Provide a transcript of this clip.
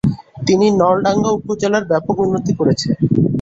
তিনি নলডাঙ্গা উপজেলার ব্যাপক উন্নতি করেছে